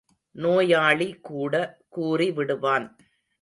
நோயாளி கூட கூறிவிடுவான்.